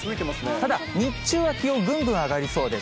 ただ、日中は気温、ぐんぐん上がりそうです。